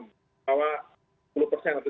kita ingin agar bor di setiap rumah sakit itu turun